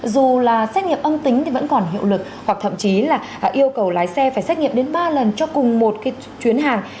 dù là xét nghiệm âm tính thì vẫn còn hiệu lực hoặc thậm chí là yêu cầu lái xe phải xét nghiệm đến ba lần cho cùng một chuyến hàng